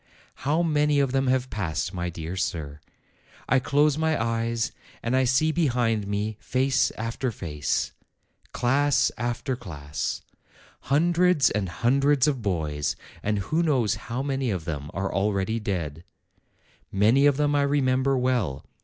How many of them have passed, my dear sir ! I close my eyes, and I see behind me face after face, class after class, hundreds and hundreds of boys, and who knows how many of them are already dead! Many of them I remember well.